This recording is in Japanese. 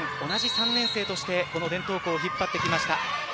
同じ３年生として伝統校を引っ張ってきました。